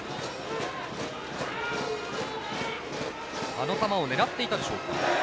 あの球を狙っていたでしょうか。